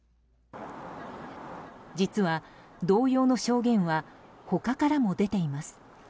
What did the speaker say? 実は、同様の証言は他からも出ています。